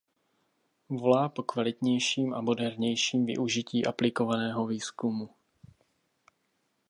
Volá po kvalitnějším a modernějším využití aplikovaného výzkumu.